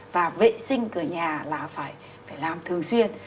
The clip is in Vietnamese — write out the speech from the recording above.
và vệ sinh cửa nhà là phải làm thường xuyên